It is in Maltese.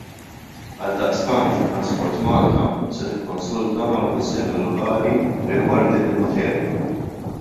Għaldaqstant, Transport Malta se tikkonsulta mal-Kunsill Lokali rigward din il-materja.